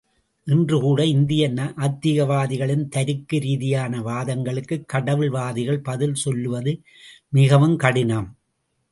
இன்று கூட இந்திய நாத்திகவாதிகளின் தருக்க ரீதியான வாதங்களுக்கு கடவுள் வாதிகள் பதில் சொல்லுவது மிகவும் கடினம்.